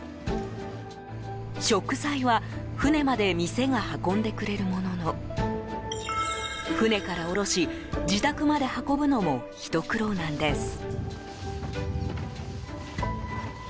食材は、船まで店が運んでくれるものの船から降ろし、自宅まで運ぶのもひと苦労なんです。